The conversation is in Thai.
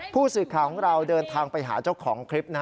ผู้สื่อข่าวของเราเดินทางไปหาเจ้าของคลิป